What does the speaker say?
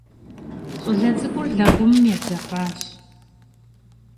Щӏалэ цӏыкӏур лэкъумым едзэкъащ..